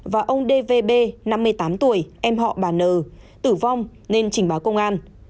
và ông đê vê bê năm mươi tám tuổi em họ bà nờ tử vong nên trình báo công an